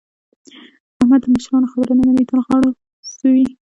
احمد د مشرانو خبره نه مني؛ تل غاړه ځوي.